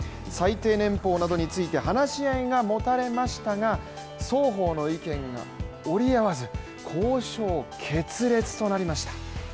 最低年俸などについて話し合いがもたれましたが、双方の意見が折り合わず交渉決裂となりました。